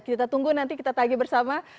kita tunggu nanti kita tagih bersama